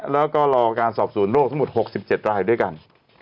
แล้วก็รอการสอบศูนย์โรคสมุด๖๗รายด้วยกัน